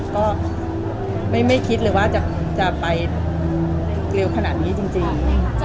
ก็ไม่คิดเลยว่าจะไปเร็วขนาดนี้จริง